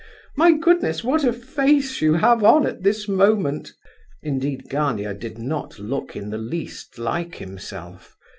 My goodness, what a face you have on at this moment!" Indeed, Gania did not look in the least like himself.